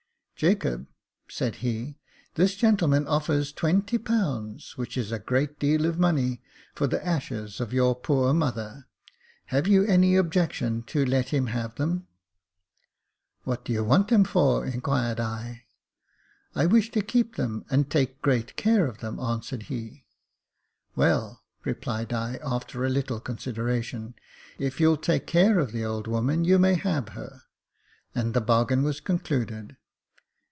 *' Jacob," said he, " this gentleman offers ^20, which is a great deal of money, for the ashes of your poor mother. Have you any objection to let him have them .?"" What do you want 'em for ?" inquired I. •* I wish to keep them, and take great care of them," answered he. " Well," replied I, after a little consideration, " if you'll take care of the old woman, you may have her," — and the bargain was concluded.